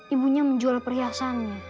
ibunya menjual perhiasan